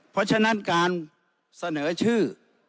เพราะฉะนั้นการเสนอชื่อ